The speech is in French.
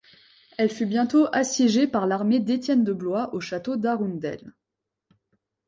Elle fut bientôt assiégée par l'armée d’Étienne de Blois au château d'Arundel.